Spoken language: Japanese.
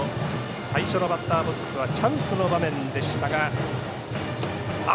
最初のバッターボックスはチャンスの場面でした。